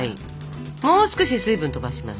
もう少し水分飛ばします。